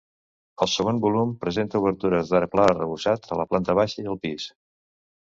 El segon volum presenta obertures d'arc pla arrebossat a la planta baixa i al pis.